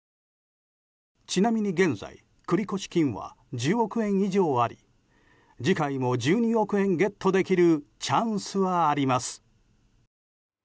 ちなみに現在繰越金は１０億円以上あり次回も１２億円ゲットできるチャンスはあります。